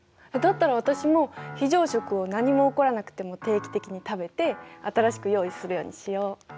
だったら私も非常食を何も起こらなくても定期的に食べて新しく用意するようにしよ。